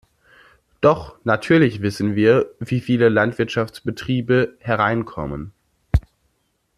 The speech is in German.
Doch, natürlich wissen wir, wie viele Landwirtschaftsbetriebe hereinkommen.